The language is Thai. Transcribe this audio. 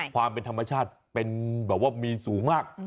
ความเป็นธรรมชาติมีสูงมาก